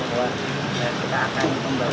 dan kita akan membagi